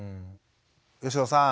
吉野さん